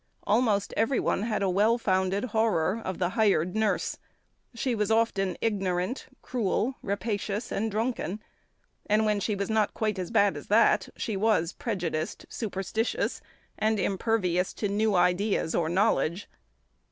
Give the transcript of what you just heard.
Almost every one had a well founded horror of the hired nurse; she was often ignorant, cruel, rapacious, and drunken; and when she was not quite as bad as that, she was prejudiced, superstitious, and impervious to new ideas or knowledge.